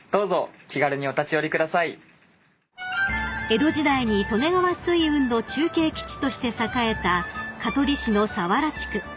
［江戸時代に利根川水運の中継基地として栄えた香取市の佐原地区］